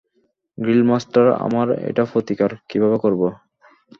Guild master, আমরা এটা প্রতিকার কীভাবে করবো?